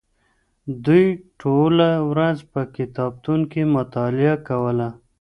دوی ټوله ورځ په کتابتون کې مطالعه کوله.